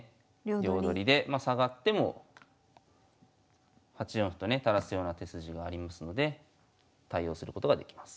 両取りで下がっても８四歩とね垂らすような手筋がありますので対応することができます。